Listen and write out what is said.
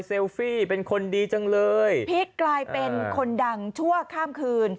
ฟี่เป็นคนดีจังเลยพลิกกลายเป็นคนดังชั่วข้ามคืน